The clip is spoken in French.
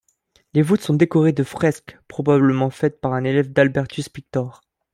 Les voûtes sont décorées de fresques, probablement faites par un élève d'Albertus Pictor.